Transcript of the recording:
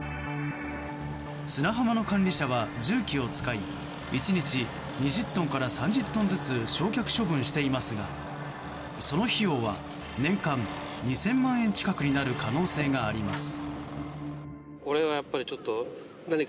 砂浜の管理者は、重機を使い１日２０トンから３０トンずつ焼却処分していますがその費用は年間２０００万円近くになる可能性があります。